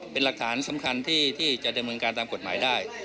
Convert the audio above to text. เป็นหลักฐานสำคัญที่จะดำเนินการตามกฎหมายได้